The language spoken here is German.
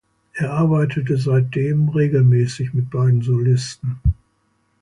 Er arbeitete seitdem regelmäßig mit beiden Solisten.